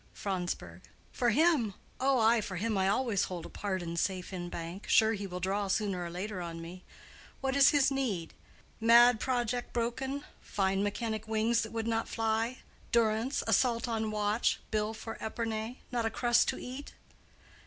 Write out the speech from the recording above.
Fronsberg. For him? Oh, ay—for him I always hold A pardon safe in bank, sure he will draw Sooner or later on me. What his need? Mad project broken? fine mechanic wings That would not fly? durance, assault on watch, Bill for Epernay, not a crust to eat?